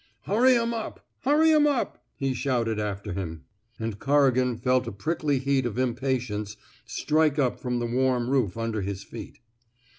Hurry 'em up! Hurry 'em up!" he shouted after him; and Corrigan felt a prickly heat of impatience strike up from the warm roof under his feet.